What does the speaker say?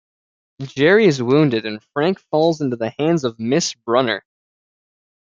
Jerry is wounded, and Frank falls into the hands of Miss Brunner.